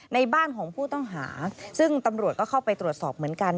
ในบ้านของผู้ต้องหาซึ่งตำรวจก็เข้าไปตรวจสอบเหมือนกัน